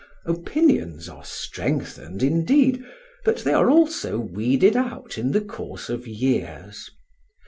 Opinions are strengthened, indeed, but they are also weeded out in the course of years.